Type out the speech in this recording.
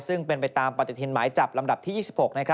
ซึ่งเป็นไปตามปฏิทินหมายจับลำดับที่๒๖